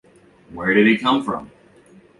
Where did he come from?